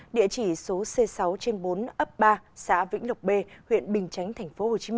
địa chỉ số c sáu trên bốn ấp ba xã vĩnh lộc b huyện bình chánh tp hcm